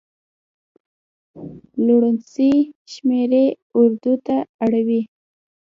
لوڼسې شمېرې اردو ته اړېدلي.